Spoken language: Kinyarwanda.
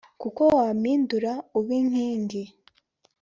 Kuko wampindura ubinkingi